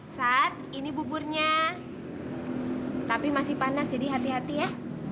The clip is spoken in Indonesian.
saat ini buburnya tapi masih panas jadi hati hati ya